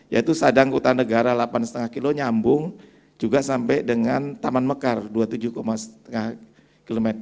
yaitu sadang utanegara delapan lima km nyambung juga sampai dengan taman mekar dua puluh tujuh lima km